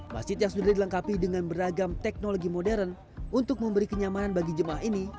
masjid yang sudah dilengkapi dengan beragam teknologi modern untuk memberi kenyamanan bagi jemaah ini